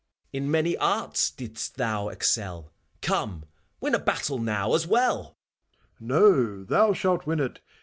In many arts didst thou excell : Come, win a battle now, as well ! MEPHISTOPHELES. No, thou shalt win it